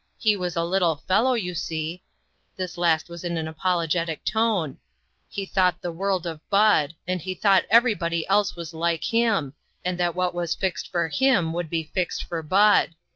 He was a little fellow, you see" this last was in an apologetic tone "he thought the world of Bud, and he thought everybody else was like him, and that what was fixed for him would be fixed for Bud.